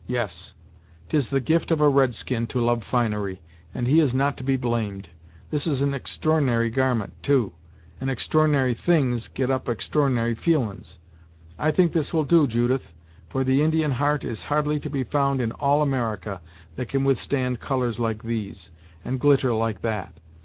yes, 'tis the gift of a red skin to love finery, and he is not to be blamed. This is an extr'ornary garment, too, and extr'ornary things get up extr'ornary feelin's. I think this will do, Judith, for the Indian heart is hardly to be found in all America that can withstand colours like these, and glitter like that.